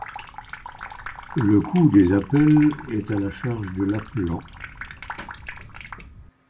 Le coût des appels est à la charge de l'appelant.